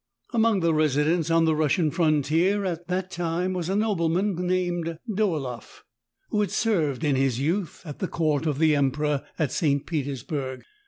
Among the residents on the Russian frontier at that time was a nobleman named Dolaeff, who had served in his youth at the court of the emperor at St. Petersburg.